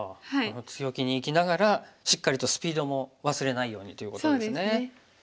強気に生きながらしっかりとスピードも忘れないようにということですね。